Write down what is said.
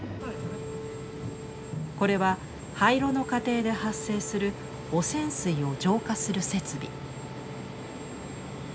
これは廃炉の過程で発生する汚染水を浄化する設備。